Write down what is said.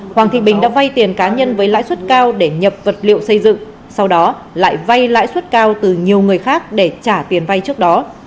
hoàng thị bình đã vay tiền cá nhân với lãi suất cao để nhập vật liệu xây dựng sau đó lại vay lãi suất cao từ nhiều người khác để trả tiền vay trước đó